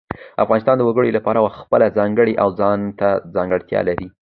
افغانستان د وګړي له پلوه خپله ځانګړې او ځانته ځانګړتیا لري.